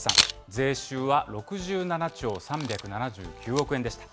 税収は６７兆３７９億円でした。